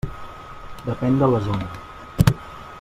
Depèn de la zona.